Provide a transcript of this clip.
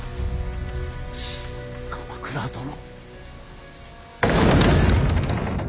鎌倉殿。